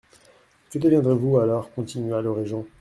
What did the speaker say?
Que deviendrez-vous alors ? continua le régent.